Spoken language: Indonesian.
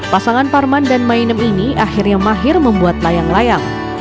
pasangan parman dan mainem ini akhirnya mahir membuat layang layang